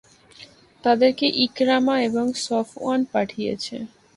তাদেরকে ইকরামা এবং সফওয়ান পাঠিয়েছে।